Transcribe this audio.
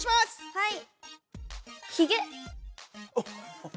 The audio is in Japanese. はい。